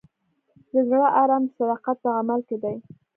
د زړه ارام د صداقت په عمل کې دی.